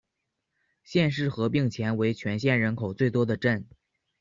县市合并前为全县人口最多的镇。